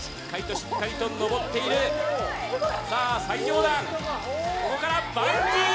しっかりと登っているさあ最上段ここからバンジー！